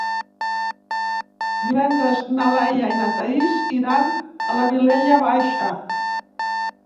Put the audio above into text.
Divendres na Laia i na Thaís iran a la Vilella Baixa.